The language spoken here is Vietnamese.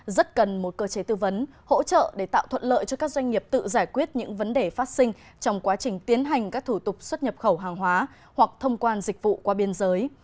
rất cần một cơ chế tư vấn hỗ trợ để tạo thuận lợi cho các doanh nghiệp tự giải quyết những vấn đề phát sinh trong quá trình tiến hành các thủ tục xuất nhập khẩu hàng hóa hoặc thông quan dịch vụ qua biên giới